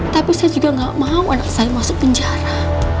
tapi saya juga gak mau anak saya masuk penjara